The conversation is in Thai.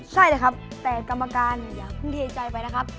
ใช่เลยครับแต่กรรมการอย่าเพิ่งเทใจไปนะครับ